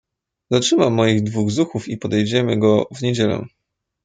"zatrzymam moich dwóch zuchów i podejdziemy go w niedzielę."